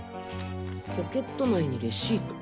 ポケット内にレシート。